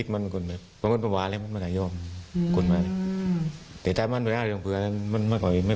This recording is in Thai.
ไม่ค่อยยอมคุยนะวันนี้